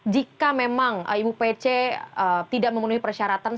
jika memang ibu pc tidak memenuhi persyaratan